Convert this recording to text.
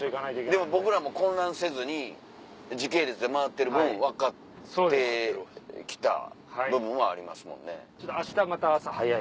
でも僕らも混乱せずに時系列で回ってる分分かって来た部分はありますもんね。